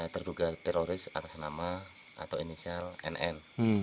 terduga teroris atas nama atau inisial nn